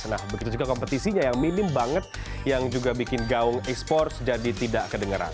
nah begitu juga kompetisinya yang minim banget yang juga bikin gaung e sports jadi tidak kedengeran